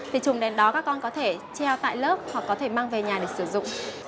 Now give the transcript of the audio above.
để chùm đến đó các con có thể treo tại lớp hoặc có thể mang về nhà để sử dụng